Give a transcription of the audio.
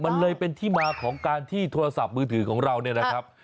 มันเลยเป็นที่มาของการที่โทรศัพท์มือถือของเราเนี่ยนะครับ